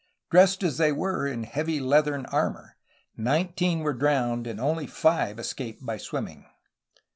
Dressed as they were in heavy leathern armor, nineteen were drowned, and only five escaped by swimming.